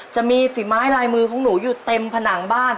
จะมีฝีไม้ลายมือของหนูอยู่เต็มผนังบ้าน